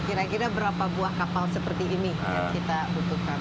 kira kira berapa buah kapal seperti ini yang kita butuhkan